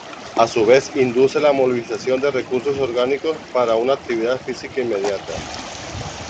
A su vez induce la movilización de recursos orgánicos para una actividad física inmediata.